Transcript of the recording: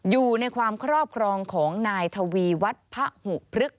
อยู่ในความครอบครองของนายทวีวัฒน์พระหุพฤกษ